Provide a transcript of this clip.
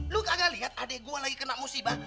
lo nggak lihat adik gue lagi kena musibah